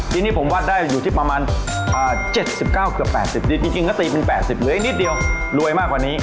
ทีนี้ผมวัดได้อยู่ที่ประมาณ๗๙เกือบ๘๐ดีจริงก็ตีเป็น๘๐เหลืออีกนิดเดียวรวยมากกว่านี้